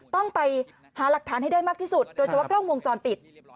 ต้องไปหาหลักฐานให้ได้มากที่สุดโดยเฉพาะกล้องวงจรปิด